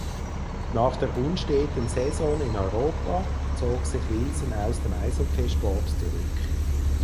Nach der unsteten Saison in Europa zog sich Wilson aus dem Eishockeysport zurück.